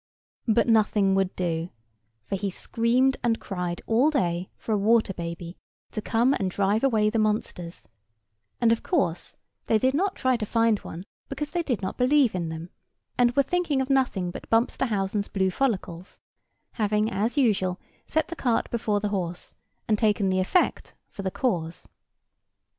But nothing would do; for he screamed and cried all day for a water baby, to come and drive away the monsters; and of course they did not try to find one, because they did not believe in them, and were thinking of nothing but Bumpsterhausen's blue follicles; having, as usual, set the cart before the horse, and taken the effect for the cause.